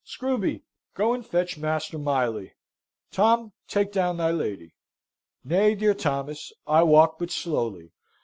Screwby, go and fetch Master Miley. Tom take down my lady." "Nay, dear Thomas, I walk but slowly.